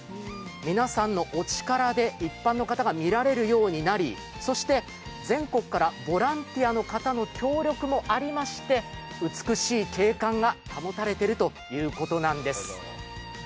皆さんにお力で一般の人が見られるようになり、そして全国からボランティアの方の協力もありまして、美しい景観が保たれているということなんです。